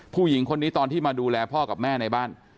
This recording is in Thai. ผู้หญิงคนนี้ตอนที่มาดูแลพ่อกับแม่ในบ้าน